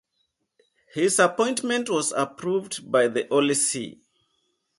His appointment was approved by the Holy See.